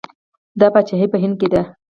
دا پاچاهي په هند کې ده.